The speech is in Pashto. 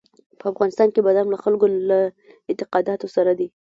په افغانستان کې بادام له خلکو له اعتقاداتو سره دي.